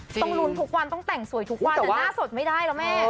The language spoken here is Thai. ต้องลุ้นทุกวันต้องแต่งสวยทุกวันหน้าสดไม่ได้แล้วแม่